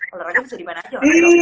olahraga bisa dimana aja orang tuh